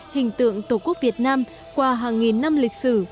hình tượng tổ quốc việt nam qua hàng nghìn năm lịch sử